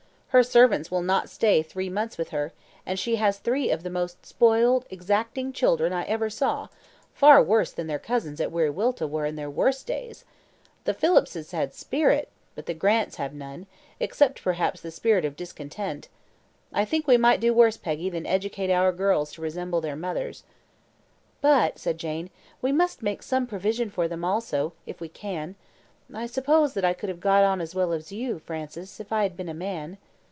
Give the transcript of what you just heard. Her servants will not stay three months with her, and she has three of the most spoiled, exacting children I ever saw far worse than their cousins at Wiriwilta were in their worst days. The Phillipses had spirit, but the Grants have none, except perhaps the spirit of discontent. I think we might do worse, Peggy, than educate our girls to resemble their mothers." "But," said Jane, "we must make some provision for them also, if we can. I suppose that I could have got on as well as you, Francis, if I had been a man."